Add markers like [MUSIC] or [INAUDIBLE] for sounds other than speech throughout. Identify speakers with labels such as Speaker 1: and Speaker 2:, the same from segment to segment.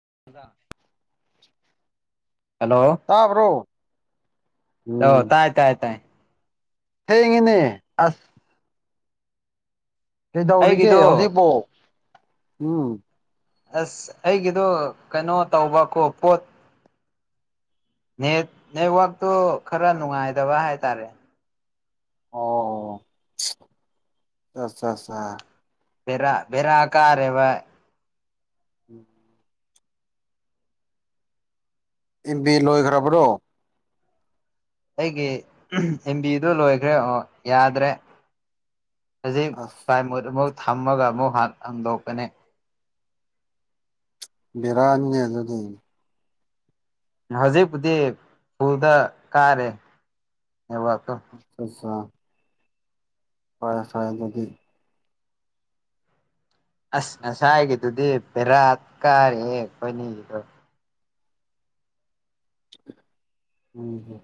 Speaker 1: [UNINTELLIGIBLE]
Speaker 2: [UNINTELLIGIBLE]
Speaker 1: hello
Speaker 2: ꯇꯥꯕ꯭ꯔꯣ
Speaker 1: ꯑꯣ
Speaker 2: ꯎꯝ
Speaker 1: ꯇꯥꯏ ꯇꯥꯏ ꯇꯥꯏ
Speaker 2: ꯊꯦꯡꯉꯦꯅꯦ ꯑꯁ ꯀꯩꯗꯧꯔꯤꯒꯦ
Speaker 1: ꯑꯩꯒꯤꯗꯣ
Speaker 2: ꯍꯧꯖꯤꯛꯄꯨ ꯎꯝ
Speaker 1: ꯑꯁ ꯑꯩꯒꯤꯗꯣ ꯀꯩꯅꯣ ꯇꯧꯕꯀꯣ ꯄꯣꯠ ꯅꯦꯠ ꯅꯦꯠꯋꯥꯛꯇꯣ ꯈꯔ ꯅꯨꯡꯉꯥꯏꯗꯕ ꯍꯥꯏꯇꯥꯔꯦ
Speaker 2: ꯑꯣ ꯑꯆꯥ ꯑꯆꯥ
Speaker 1: ꯕꯦꯔꯥ ꯕꯦꯔꯥ ꯀꯥꯔꯦꯕ
Speaker 2: ꯎꯝ ꯑꯦꯝ ꯃꯦ ꯂꯣꯏ ꯈꯔꯕ꯭ꯔꯣ
Speaker 1: ꯑꯩꯒꯤ ꯑꯦꯝ ꯕꯤꯗꯨ ꯂꯣꯏꯈ꯭ꯔꯦ ꯑꯣ ꯌꯥꯗ꯭ꯔꯦ ꯍꯧꯖꯤꯛ ꯐ꯭ꯂꯥ
Speaker 2: ꯑꯁ
Speaker 1: ꯃꯨꯠ ꯑꯃꯨꯛ ꯊꯝꯃꯒ ꯑꯃꯨꯛ ꯍꯥꯡꯗꯣꯛꯄꯅꯤ
Speaker 2: ꯕꯤꯔꯥꯅꯤꯅꯦ ꯑꯗꯨꯗꯤ
Speaker 1: ꯍꯧꯖꯤꯛꯄꯨꯗꯤ ꯐꯨꯜꯗ ꯀꯥꯔꯦ ꯅꯦꯠꯋꯥꯛꯇꯣ
Speaker 2: ꯑꯆꯥ ꯆꯥ ꯐꯔꯦ ꯐꯔꯦ ꯑꯗꯨꯗꯤ
Speaker 1: ꯑꯁ ꯉꯁꯥꯏꯒꯤꯗꯨꯗꯤ ꯕꯦꯔꯥ ꯀꯥꯔꯦꯍꯦ ꯑꯩꯈꯣꯏꯅꯤꯒꯤꯗꯣ
Speaker 2: ꯎꯝ ꯍꯝ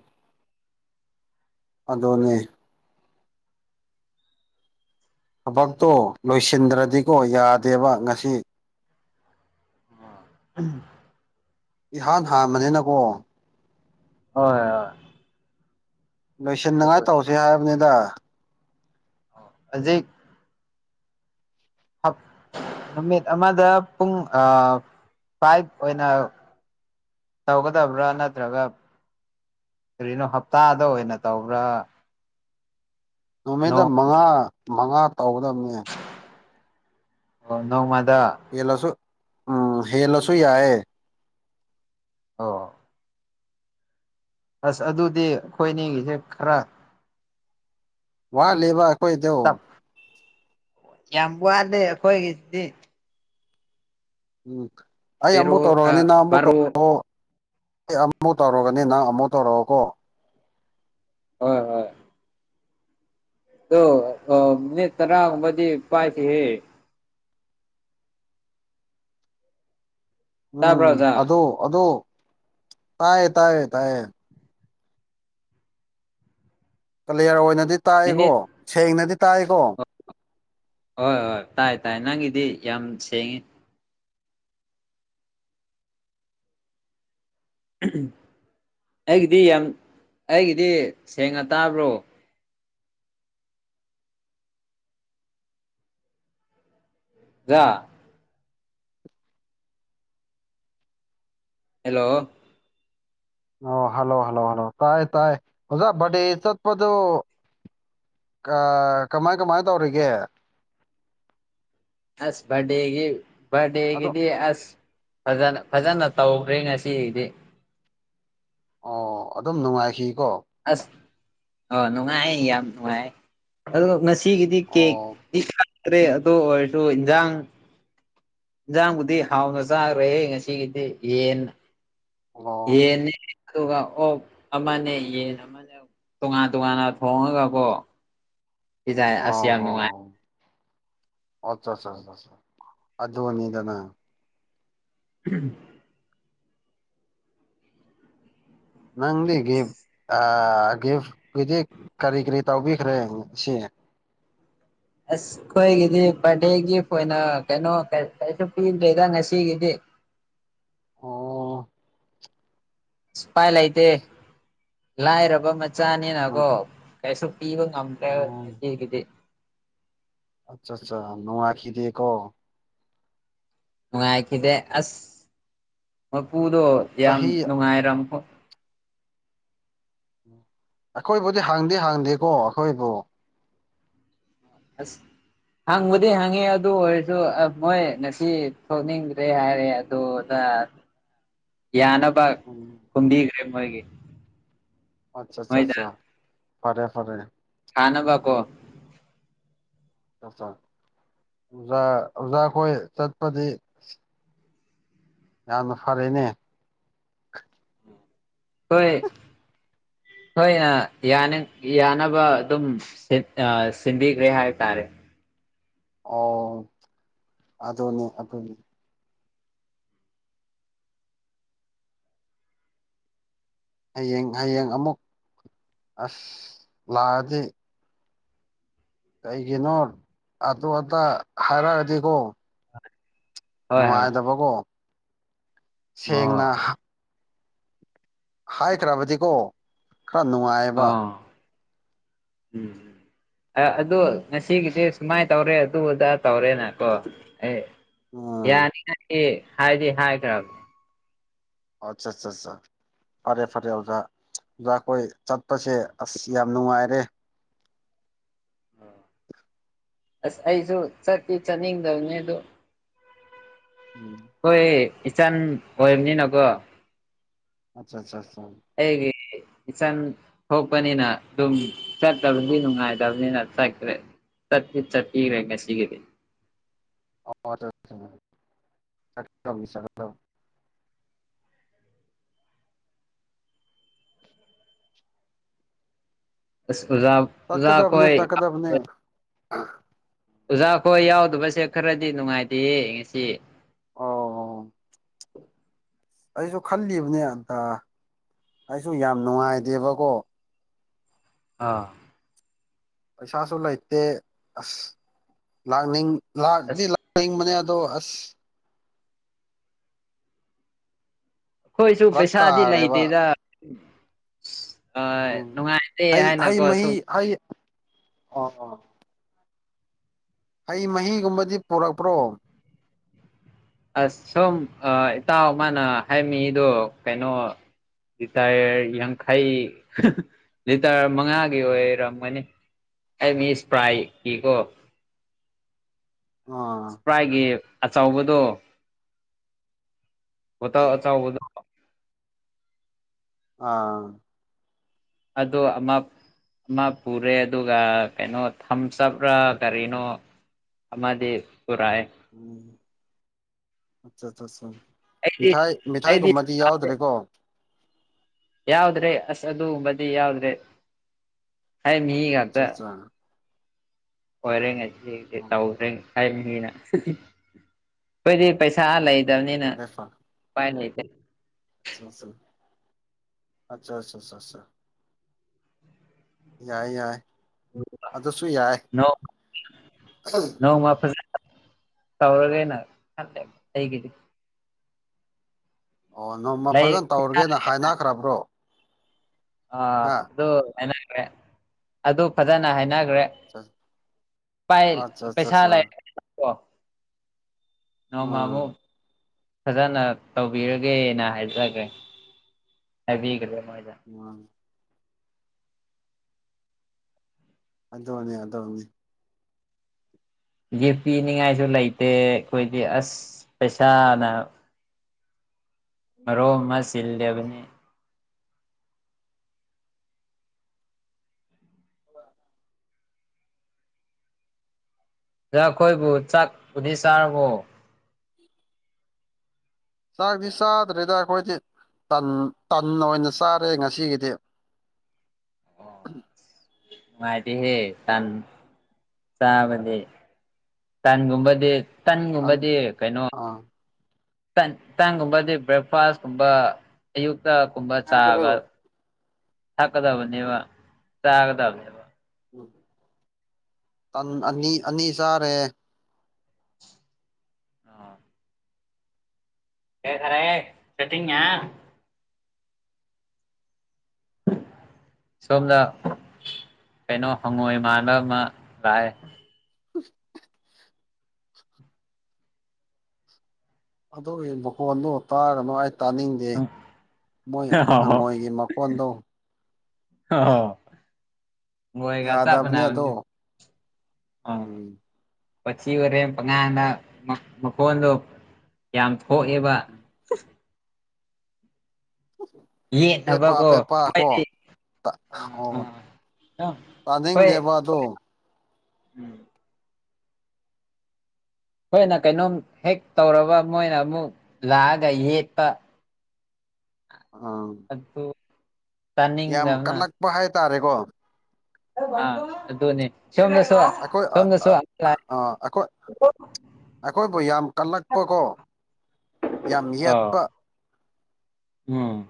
Speaker 2: ꯑꯗꯣꯅꯦ ꯊꯕꯛꯇꯣ ꯂꯣꯏꯁꯤꯟꯗ꯭ꯔꯗꯤꯀꯣ ꯌꯥꯗꯦꯕ ꯉꯁꯤ
Speaker 1: ꯑꯥ ꯎꯝ
Speaker 2: ꯏꯍꯥꯟ ꯍꯥꯟꯕꯅꯤꯅꯀꯣ
Speaker 1: ꯍꯣꯏ ꯍꯣꯏ ꯑꯗꯨ
Speaker 2: ꯂꯣꯏꯁꯤꯟꯅꯤꯉꯥꯏ ꯇꯧꯁꯦ ꯍꯥꯏꯕꯅꯤꯗ
Speaker 1: ꯍꯧꯖꯤꯛ ꯑꯞ ꯅꯨꯃꯤꯠ ꯑꯃꯗ ꯄꯨꯡ ꯐꯥꯏꯚ ꯑꯣꯏꯅ ꯇꯧꯒꯗꯕ꯭ꯔꯥ ꯅꯠꯇ꯭ꯔꯒ ꯀꯔꯤꯅꯣ ꯍꯞꯇꯥꯗ ꯑꯣꯏꯅ ꯇꯧꯕ꯭ꯔꯥ
Speaker 2: ꯅꯨꯃꯤꯠꯇ
Speaker 1: ꯅꯣꯡ
Speaker 2: ꯃꯉꯥ ꯃꯉꯥ ꯇꯧꯒꯗꯝꯅꯦ
Speaker 1: ꯑꯣ ꯅꯣꯡꯃ
Speaker 2: ꯍꯦꯜꯂꯁꯨ ꯎꯝ ꯍꯦꯜꯂꯁꯨ ꯌꯥꯏꯌꯦ
Speaker 1: ꯑꯣ ꯑꯁ ꯑꯗꯨꯗꯤ ꯑꯩꯈꯣꯏꯅꯤꯒꯤꯁꯦ ꯈꯔ
Speaker 2: ꯋꯥꯠꯂꯤꯕ ꯈꯣꯏꯗꯣ
Speaker 1: ꯇꯞ ꯌꯥꯝ ꯋꯥꯗꯦ ꯈꯣꯏꯒꯤꯁꯤꯗꯤ
Speaker 2: ꯎꯝ ꯑꯩ ꯑꯃꯨꯛ
Speaker 1: ꯄꯦꯔꯣ
Speaker 2: ꯇꯧꯔꯛꯑꯗꯤ ꯅꯪ ꯑꯃꯨꯛꯀ
Speaker 1: ꯕꯥꯔꯣ
Speaker 2: ꯇꯧꯔꯛꯑꯣ ꯑꯩ ꯑꯃꯨꯛ ꯇꯧꯔꯒꯅꯤ ꯅꯪ ꯑꯃꯨꯛ ꯇꯧꯔꯛꯑꯣꯀꯣ
Speaker 1: ꯍꯣꯏ ꯍꯣꯏ ꯑꯗꯣ ꯑ ꯃꯤꯅꯠ ꯇꯔꯥꯒꯨꯝꯕꯗꯤ ꯄꯥꯏꯈꯤꯌꯦ ꯇꯥꯕ꯭ꯔꯥ
Speaker 2: ꯎꯝ
Speaker 1: ꯑꯣꯖꯥ
Speaker 2: ꯑꯗꯣ ꯑꯗꯣ ꯇꯥꯏꯌꯦ ꯇꯥꯢꯌꯦ ꯇꯥꯢꯌꯦ ꯀꯂꯤꯌꯔ ꯑꯣꯏꯅꯗꯤ ꯇꯥꯏꯀꯣ
Speaker 1: ꯃꯤꯅꯤꯠ
Speaker 2: ꯁꯦꯡꯅꯗꯤ ꯇꯥꯏꯀꯣ
Speaker 1: ꯍꯣꯏ ꯍꯣꯏ ꯇꯥꯏ ꯇꯥꯏ ꯅꯪꯒꯤꯗꯤ ꯌꯥꯝ ꯁꯦꯡꯉꯤ ꯑꯩꯒꯤꯗꯤ ꯌꯥꯝ ꯑꯩꯒꯤꯗꯤ ꯁꯦꯡꯅ ꯇꯥꯕ꯭ꯔꯣ ꯗꯥ ꯍꯦꯜꯂꯣ
Speaker 2: ꯑꯣ ꯍꯜꯂꯣ ꯍꯜꯂꯣ ꯍꯜꯂꯣ ꯇꯥꯏ ꯇꯥꯥꯏ ꯑꯣꯖꯥ ꯕꯔꯠꯗꯦ ꯆꯠꯄꯗꯨ ꯑꯥ ꯀꯃꯥꯏ ꯀꯃꯥꯏ ꯇꯧꯔꯤꯒꯦ
Speaker 1: ꯑꯁ ꯕꯔꯠꯗꯦꯒꯤ
Speaker 2: ꯑꯗꯣ
Speaker 1: ꯕꯔꯠꯗꯦꯒꯤꯗꯤ ꯑꯁ ꯐꯖꯅ ꯐꯖꯅ ꯇꯧꯈ꯭ꯔꯦ ꯉꯁꯤꯗꯤ
Speaker 2: ꯑꯣ ꯑꯗꯨꯝ ꯅꯨꯡꯉꯥꯏꯈꯤꯀꯣ
Speaker 1: ꯑꯁ ꯑ ꯅꯨꯡꯉꯥꯏ ꯌꯥꯝ ꯅꯨꯡꯉꯥꯏ ꯑꯗꯣ ꯉꯁꯤ ꯁꯤꯒꯤꯗꯤ ꯀꯦꯛ
Speaker 2: ꯑꯣ
Speaker 1: ꯀꯛꯇ꯭ꯔꯦ ꯑꯗꯨ ꯑꯣꯏꯔꯁꯨ ꯏꯟꯖꯥꯡ ꯏꯟꯖꯥꯡꯕꯨꯗꯤ ꯍꯥꯎꯅ ꯆꯥꯈ꯭ꯔꯦ ꯉꯁꯤꯒꯤꯗꯤ ꯌꯦꯟꯅ
Speaker 2: ꯑꯣ
Speaker 1: ꯌꯦꯟꯅꯤ ꯑꯗꯨꯒ ꯑꯣꯛ ꯑꯃꯅꯦ ꯌꯦꯟ ꯑꯃꯅꯦ ꯇꯣꯉꯥꯟ ꯇꯣꯉꯥꯟꯅ ꯊꯣꯡꯉꯒꯀꯣ ꯄꯤꯖꯩ ꯑꯁ ꯌꯥꯝ ꯅꯨꯡꯉꯥꯏ
Speaker 2: ꯑꯆꯥ ꯆꯥ ꯆꯥ ꯆꯥ ꯑꯗꯨꯅꯤꯗꯅ
Speaker 1: [INAUDIBLE]
Speaker 2: ꯅꯪꯗꯤ ꯒꯦ ꯑꯑ ꯒꯤꯐꯀꯤꯗꯤ ꯀꯔꯤ ꯀꯔꯤ ꯇꯧꯕꯤꯈ꯭ꯔꯦ ꯁꯤ
Speaker 1: ꯑꯁ ꯑꯩꯈꯣꯏꯒꯤꯗꯤ ꯕꯔꯗꯦ ꯒꯤꯐ ꯑꯣꯏꯅ ꯀꯩꯅꯣ ꯀꯩꯁꯨ ꯄꯤꯗ꯭ꯔꯦꯗ ꯉꯁꯤꯒꯤꯗꯤ
Speaker 2: ꯑꯣ
Speaker 1: ꯎꯄꯥꯏ ꯂꯩꯇꯦ ꯂꯥꯏꯔꯕ
Speaker 2: ꯅꯪ
Speaker 1: ꯃꯆꯥꯅꯤꯅꯀꯣ ꯀꯩꯁꯨ ꯄꯤꯕ ꯉꯝꯗ꯭ꯔꯦ
Speaker 2: ꯑꯣ
Speaker 1: ꯉꯁꯤꯒꯤꯗꯤ
Speaker 2: ꯑꯆꯥ ꯑꯆꯥꯥ ꯅꯣꯉꯥꯢꯈꯤꯗꯦꯀꯣ
Speaker 1: ꯅꯨꯡꯉꯥꯏꯈꯤꯗꯦ ꯑꯁ ꯃꯄꯨꯗꯣ ꯌꯥꯝ
Speaker 2: ꯆꯍꯤ
Speaker 1: ꯅꯨꯡꯉꯥꯏꯔꯝꯃꯣ
Speaker 2: ꯑꯩꯈꯣꯏꯕꯨꯗꯤ ꯍꯥꯡꯗꯦ ꯍꯥꯡꯗꯦꯀꯣ ꯑꯩꯈꯣꯏꯕꯨ
Speaker 1: ꯑꯁ ꯍꯪꯕꯨꯗꯤ ꯍꯪꯉꯦ ꯑꯗꯨ ꯑꯣꯏꯔꯁꯨ ꯃꯣꯏ ꯉꯁꯤ ꯊꯣꯛꯅꯤꯡꯗ꯭ꯔꯦ ꯍꯥꯏꯔꯦ ꯑꯗꯨꯗ ꯑ
Speaker 2: [INAUDIBLE]
Speaker 1: ꯌꯥꯅꯕ
Speaker 2: ꯎꯝ
Speaker 1: ꯀꯨꯝꯕꯤꯈ꯭ꯔꯦ ꯃꯣꯏꯒꯤ
Speaker 2: ꯑꯆꯥ ꯆꯥ
Speaker 1: ꯃꯣꯏꯗ
Speaker 2: ꯆꯥ ꯐꯔꯦ ꯐꯔꯦ
Speaker 1: ꯊꯥꯅꯕ ꯀꯣ
Speaker 2: ꯑꯣꯖꯥ ꯑꯣꯖꯥ ꯈꯣꯏ ꯆꯠꯄꯗꯤ ꯌꯥꯝꯅ ꯐꯔꯦꯅꯦ
Speaker 1: ꯍꯣꯏ ꯍꯣꯏ ꯑ ꯌꯥꯅꯦ ꯌꯥꯅꯕ ꯑꯗꯨꯝ ꯁꯤꯟ ꯁꯤꯟꯕꯤꯈ꯭ꯔꯦ ꯍꯥꯏ ꯇꯔꯦ
Speaker 2: ꯑꯣ ꯑꯗꯨꯅꯤ ꯑꯗꯨꯅꯤ ꯍꯌꯦꯡ ꯍꯌꯦꯡ ꯑꯃꯨꯛ ꯑꯁ ꯂꯥꯛꯑꯗꯤ ꯀꯩꯒꯤꯅꯣ ꯑꯇꯣ ꯑꯇꯥ ꯍꯥꯏꯔꯛꯑꯗꯤꯀꯣ
Speaker 1: ꯍꯣꯏ ꯍꯣꯏ
Speaker 2: ꯅꯨꯡꯉꯥꯏꯗꯕꯒꯣ ꯁꯦꯡꯅ
Speaker 1: ꯑꯣ
Speaker 2: ꯍꯥꯏꯈ꯭ꯔꯕꯗꯤꯀꯣ ꯈ꯭ꯔ ꯅꯨꯡꯉꯥꯏꯑꯕ
Speaker 1: ꯑꯣ ꯎꯝ ꯑꯗꯨ ꯉꯁꯤꯒꯤꯗꯤ ꯁꯨꯃꯥꯏꯅ ꯇꯧꯔꯦ ꯑꯗꯨꯗ ꯇꯧꯔꯦꯅꯀꯣ ꯑꯩ
Speaker 2: ꯎꯝ
Speaker 1: ꯌꯥꯅꯤ ꯍꯥꯏꯗꯤ ꯍꯥꯏꯗꯤ ꯍꯥꯏꯈ꯭ꯔꯝ
Speaker 2: ꯑꯆꯥ -ꯆꯥ -ꯆꯥ ꯐꯔꯦ ꯐꯔꯦ ꯑꯣꯖꯥ ꯑꯣꯖꯥ ꯑꯩꯈꯣꯏ ꯆꯠꯄꯁꯦ ꯑꯁ ꯌꯥꯝ ꯅꯨꯡꯉꯥꯏꯔꯦ
Speaker 1: ꯑꯁ ꯑꯩꯁꯨ ꯆꯠꯇꯤ ꯆꯠꯅꯤꯡꯗꯕꯅꯤ ꯑꯗꯨ
Speaker 2: ꯎꯝ
Speaker 1: ꯍꯣꯏ ꯏꯆꯟ ꯑꯣ꯭ꯏꯝꯅꯤꯅꯀꯣ
Speaker 2: ꯑꯆꯥ ꯆꯥ
Speaker 1: ꯑꯩꯒꯤ ꯏꯆꯟ ꯊꯣꯛꯄꯅꯤꯅ ꯑꯗꯨꯝ ꯆꯠꯇꯕꯗꯤ ꯅꯨꯡꯉꯥꯏꯇꯕꯅꯤꯅ ꯆꯠꯈ꯭ꯔꯦ ꯆꯠꯇꯤ ꯆꯠꯄꯤꯔꯦ ꯉꯁꯤꯒꯤꯗꯤ
Speaker 2: ꯆꯀꯗꯧꯅꯤ ꯆꯀꯗꯧꯅꯤ
Speaker 1: ꯑꯁ ꯎꯖꯥ ꯎꯖꯥ
Speaker 2: ꯆꯠꯀꯗꯕꯅꯦ
Speaker 1: ꯀꯣꯏ
Speaker 2: ꯆꯠꯀꯗꯕꯅꯦ [UNINTELLIGIBLE]
Speaker 1: ꯑꯣꯖꯥꯈꯣꯏ ꯌꯥꯎꯗꯕꯁꯦ ꯈꯔꯗꯤ ꯅꯨꯡꯉꯥꯏꯇꯦꯌꯦ ꯉꯁꯤ
Speaker 2: ꯑꯣ ꯑꯩꯖꯨ ꯈꯜꯂꯤꯕꯅꯦ ꯑꯇ ꯑꯩꯁꯨ ꯌꯥꯝ ꯅꯨꯡꯉꯥꯏꯗꯦꯕꯀꯣ
Speaker 1: ꯑꯥ
Speaker 2: ꯄꯩꯁꯥꯁꯨ ꯂꯩꯇꯦ ꯑꯁ ꯂꯥꯛꯅꯤꯡ ꯂꯗꯤ
Speaker 1: ꯑꯁ
Speaker 2: ꯂꯥꯛꯅꯤꯡꯕꯅꯦ ꯑꯗꯣ ꯑꯁ
Speaker 1: ꯑꯈꯣꯏꯁꯨ
Speaker 2: ꯐꯔꯛ
Speaker 1: ꯄꯩꯁꯥꯗꯤ
Speaker 2: ꯇꯥꯈ꯭ꯔꯦꯕ
Speaker 1: ꯂꯩꯇꯦꯗ ꯑꯥ
Speaker 2: ꯎꯝ
Speaker 1: ꯅꯨꯡꯉꯥꯏꯔꯦ ꯍꯥꯏꯅꯀꯣ ꯁꯨꯝ
Speaker 2: ꯑꯥ ꯑꯥ ꯍꯩ ꯃꯍꯤꯒꯨꯝꯕꯗꯤ ꯄꯨꯔꯛꯄ꯭ꯔꯣ
Speaker 1: ꯑꯁ ꯁꯣꯝ ꯏꯇꯥꯎ ꯃꯥꯅ ꯍꯩꯝ ꯃꯤꯗꯣ ꯀꯩꯅꯣ ꯂꯤꯇ꯭ꯔ ꯌꯥꯡꯈꯩ ꯂꯤꯇ꯭ꯔ ꯃꯉꯥꯒꯤ ꯑꯣꯏꯔꯝꯒꯅꯤ ꯑꯩ ꯃꯤꯁ ꯄ꯭ꯔꯥꯏ ꯀꯤꯀꯣ
Speaker 2: ꯑꯥ
Speaker 1: ꯁꯄ꯭ꯔꯥꯏꯒꯤ ꯑꯆꯧꯕꯗꯣ ꯕꯣꯇꯜ ꯑꯆꯥꯎꯕꯗꯣ
Speaker 2: ꯑꯥ
Speaker 1: ꯑꯗꯣ ꯑꯃ ꯑꯃ ꯄꯨꯔꯦ ꯑꯗꯨꯒ ꯀꯩꯅꯣ ꯊꯝꯆꯕ꯭ꯔꯥ ꯀꯔꯤꯅꯣ ꯑꯃꯗꯤ ꯄꯨꯔꯑꯦ
Speaker 2: ꯎꯝ ꯑꯠꯆꯥ ꯑꯠꯆꯥꯆꯥ
Speaker 1: ꯑꯩꯗꯤ
Speaker 2: ꯃꯤꯊꯥꯏ
Speaker 1: ꯑꯩꯗꯤ
Speaker 2: ꯃꯤꯊꯥꯏꯒꯨꯝꯕꯗꯤ ꯌꯥꯎꯗ꯭ꯔꯦꯀꯣ
Speaker 1: ꯌꯥꯎꯗ꯭ꯔꯦ ꯑꯁ ꯑꯗꯨꯝꯕꯗꯤ ꯌꯥꯎꯗ꯭ꯔꯦ ꯍꯥꯏ ꯃꯤ
Speaker 2: ꯑꯠꯆꯥ
Speaker 1: ꯉꯥꯛꯇ
Speaker 2: ꯑꯠꯆꯥ
Speaker 1: ꯑꯣꯏꯔꯦ ꯉꯁꯤ
Speaker 2: ꯑꯣ
Speaker 1: ꯇꯧꯈ꯭ꯔꯦ ꯍꯥꯏꯕꯅꯤꯅ ꯈꯣꯏꯗꯤ ꯄꯩꯁꯥ ꯂꯩꯇꯕꯅꯤꯅ ꯄꯥꯏꯅꯩ [UNINTELLIGIBLE]
Speaker 2: ꯑꯆꯥ ꯑꯆꯥ ꯑꯆꯥ ꯆꯥ ꯌꯥꯏ ꯌꯥꯏ ꯑꯗꯨꯁꯨ ꯌꯥꯏ ꯑꯣ
Speaker 1: ꯅꯣꯡꯃ ꯐꯖꯅ ꯇꯧꯔꯒꯦꯅ ꯈꯜꯂꯦ ꯑꯩꯒꯤꯗꯤ
Speaker 2: ꯑꯣ ꯅꯣꯡꯃ
Speaker 1: ꯂꯩ
Speaker 2: ꯐꯖꯅ ꯇꯧꯔꯒꯦꯅ ꯍꯥꯏꯅꯈ꯭ꯔꯕ꯭ꯔꯣ
Speaker 1: ꯑꯥ
Speaker 2: ꯍꯥ
Speaker 1: ꯑꯗꯨ ꯍꯥꯏꯅꯈ꯭ꯔꯦ ꯑꯗꯨ ꯐꯖꯅ ꯍꯥꯏꯅ
Speaker 2: ꯑꯠꯆꯥ ꯑꯠꯆꯥ ꯑꯠꯆꯥ
Speaker 1: [UNINTELLIGIBLE]
Speaker 2: ꯎꯝ
Speaker 1: ꯅꯣꯡꯃꯃꯨꯛ ꯐꯖꯅ ꯇꯧꯕꯤꯔꯒꯦꯅ ꯍꯥꯏꯖꯒ꯭ꯔꯦ ꯍꯥꯏꯕꯤꯒ꯭ꯔꯦ
Speaker 2: ꯎꯝ ꯑꯗꯨꯅꯤ ꯑꯗꯨꯅꯤ
Speaker 1: ꯒꯤꯐ ꯄꯤꯅꯤꯡꯉꯥꯏꯁꯨ ꯂꯩꯇꯦ ꯑꯩꯈꯣꯏꯒꯤ ꯑꯁ ꯄꯩꯁꯥꯅ ꯃꯔꯣꯝꯃ ꯆꯤꯜꯂꯤꯕꯅꯤ ꯑꯗ ꯑꯩꯈꯣꯏꯕꯨ ꯆꯥꯛꯄꯨꯗꯤ ꯆꯥꯔꯕꯣ
Speaker 2: ꯆꯥꯛꯗꯤ ꯆꯥꯗ꯭ꯔꯦꯗ ꯑꯩꯈꯣꯏꯗꯤ ꯇꯟ ꯇꯟ ꯑꯣꯏꯅ ꯆꯥꯔꯦ ꯉꯁꯤꯒꯤꯗꯤ
Speaker 1: ꯅꯨꯡꯉꯥꯏꯇꯦ ꯍꯦ ꯇꯟ ꯆꯥꯕꯗꯤ ꯇꯟꯒꯨꯝꯕꯗꯤ
Speaker 2: ꯇꯟ
Speaker 1: ꯇꯟꯒꯨꯝꯕꯗꯤ ꯀꯩꯅꯣ
Speaker 2: ꯑꯥ
Speaker 1: ꯇꯟ ꯒꯨꯝꯕꯗꯤ ꯕ꯭ꯔꯦꯛꯐꯥꯁ ꯀꯨꯝꯕ ꯑꯌꯨꯛꯇ ꯀꯨꯝꯕ ꯆꯥꯒ ꯊꯛꯀꯗꯕꯅꯦꯕ ꯆꯥꯒꯗꯕꯅꯦꯕ
Speaker 2: ꯇꯟ ꯑꯅꯤ ꯑꯅꯤ ꯆꯥꯔꯦ
Speaker 1: [UNINTELLIGIBLE] ꯁꯣꯝꯅꯥ ꯀꯩꯅꯣ ꯍꯪꯉꯣꯏ ꯃꯥꯟꯕ ꯑꯃ ꯂꯥꯛꯑꯦ
Speaker 2: [UNINTELLIGIBLE] ꯑꯗꯣꯒꯤ ꯃꯈꯣꯟꯗꯣ ꯇꯥꯔꯅꯣ ꯇꯥꯅꯤꯡꯗꯦ ꯃꯣꯏ ꯍꯪꯉꯣꯏꯒꯤ ꯃꯈꯣꯟꯗꯣ
Speaker 1: [UNINTELLIGIBLE] ꯍꯉꯣꯏꯒ ꯆꯄ
Speaker 2: ꯌꯥꯗꯕꯅꯦ ꯑꯗꯣ
Speaker 1: ꯃꯥꯅꯕꯅꯤ ꯑꯥ
Speaker 2: ꯎꯝ
Speaker 1: ꯋꯥꯊꯤ ꯋꯥꯔꯦꯝ ꯄꯉꯥꯟꯗ ꯃꯈꯣꯟꯗꯣ ꯌꯥꯝ ꯍꯣ ꯑꯦꯕ
Speaker 2: ꯄꯦ ꯄꯥ ꯄꯦ
Speaker 1: ꯌꯦꯠꯅꯕꯀꯣ
Speaker 2: ꯄꯥ ꯀꯣ
Speaker 1: ꯑꯩꯈꯣꯏꯗꯤ ꯑꯥ
Speaker 2: ꯑꯣ
Speaker 1: ꯑꯥ ꯑꯥ
Speaker 2: ꯇꯥꯅꯤꯡꯗꯦꯕ ꯑꯗꯣ
Speaker 1: ꯎꯝ ꯑꯩꯈꯣꯏꯅ ꯀꯩꯅꯣꯝ ꯍꯦꯛ ꯇꯧꯔꯕ ꯃꯣꯏꯅ ꯑꯃꯨꯛ ꯂꯥꯛꯑꯒ ꯌꯦꯠꯄ
Speaker 2: ꯑꯥ
Speaker 1: ꯑꯗꯨ
Speaker 2: ꯌꯥꯝ
Speaker 1: ꯇꯥꯅꯤꯡꯗꯕꯅ
Speaker 2: ꯀꯠꯂꯛꯄ ꯍꯥꯏꯇꯥꯔꯦꯀꯣ
Speaker 1: ꯑꯥ ꯑꯗꯨꯅꯤ ꯁꯣꯝꯗꯁꯨ
Speaker 2: ꯑꯩꯈꯣꯏ
Speaker 1: ꯁꯣꯝꯗꯁꯨ
Speaker 2: ꯑꯩꯈꯣꯏ ꯑꯩꯈꯣꯏꯕꯨ ꯌꯥꯝ ꯀꯜꯂꯛꯄꯀꯣ ꯌꯥꯝ ꯌꯦꯠꯄ
Speaker 1: ꯎꯝ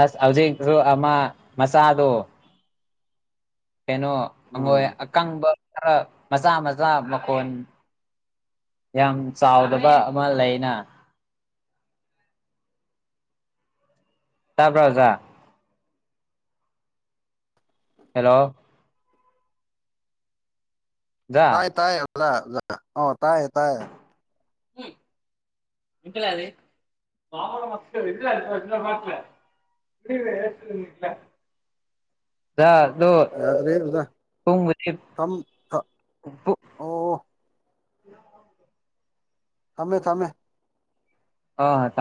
Speaker 1: ꯑꯁ ꯍꯧꯖꯤꯛ ꯁꯨ ꯑꯃ ꯃꯆꯥꯗꯣ ꯀꯩꯅꯣ
Speaker 2: ꯎꯝ
Speaker 1: ꯑꯩꯉꯣꯏ ꯑꯀꯪꯕ ꯈꯔ ꯃꯆꯥ ꯃꯆꯥ ꯃꯈꯣꯟ ꯌꯥꯝ ꯆꯥꯎꯗꯕ ꯑꯃ ꯂꯩꯅ ꯇꯥꯕ꯭ꯔ ꯑꯣꯖꯥ ꯍꯦꯜꯂꯣ
Speaker 2: ꯇꯥꯏ ꯇꯥꯏ ꯑꯣꯖꯥ ꯑꯣꯖꯥ ꯑꯣꯖꯥ ꯇꯥꯏ ꯇꯥꯏ
Speaker 1: [UNINTELLIGIBLE] [UNINTELLIGIBLE]
Speaker 2: ꯌꯥꯗ꯭ꯔꯦ ꯑꯣꯖꯥ ꯊꯝ
Speaker 1: [UNINTELLIGIBLE]
Speaker 2: ꯑꯣ
Speaker 1: [UNINTELLIGIBLE]
Speaker 2: ꯊꯃꯦ ꯊꯝꯃꯦ
Speaker 1: ꯑꯥ ꯇꯥ